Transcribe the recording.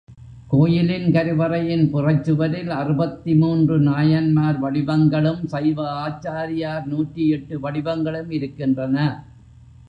கோயிலின் கருவறையின் புறச்சுவரில் அறுபத்து மூன்று நாயன்மார் வடிவங்களும் சைவ ஆச்சாரியார் நூற்றி எட்டு வடிவங்களும் இருக்கின்றன.